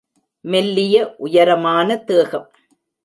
மெல்லிய உயரமான தேகம்.